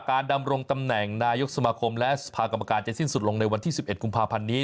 การดำลงตำแห่งนายกสมคมและสถานกรรมการณ์จะสิ้นสุดลงในวันที่สิบเอ็ดกุมภาพันนี้